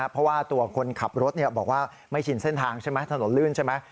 เพราะว่าตัวคนขับรถบอกว่าไม่ชินเส้นทางใช่ไหมถนนลื่นใช่ไหม